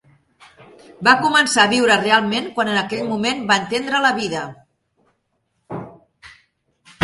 Va començar a viure realment quan en aquell moment va entendre la vida.